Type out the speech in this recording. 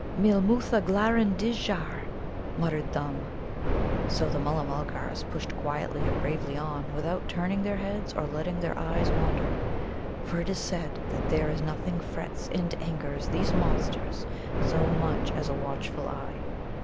"Meelmūtha glaren djhar!" muttered Thumb. So the Mulla mulgars pushed quietly and bravely on, without turning their heads or letting their eyes wander. For it is said that there is nothing frets and angers these monsters so much as a watchful eye.